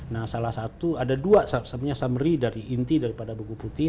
nah salah satu ada dua sebenarnya summary dari inti daripada buku putih